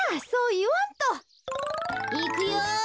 いくよ！